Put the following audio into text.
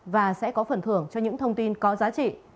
và sẽ có phần thưởng cho những thông tin có giá trị